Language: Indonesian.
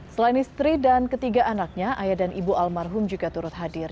selain istri dan ketiga anaknya ayah dan ibu almarhum juga turut hadir